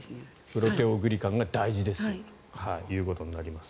プロテオグリカンが大事ですということです。